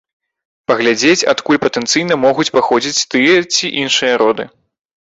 Паглядзець, адкуль патэнцыйна могуць паходзіць тыя ці іншыя роды.